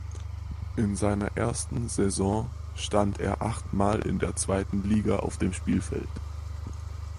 In seiner ersten Saison stand er achtmal in der zweiten Liga auf dem Spielfeld.